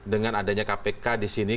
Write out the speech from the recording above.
dengan adanya kpk disini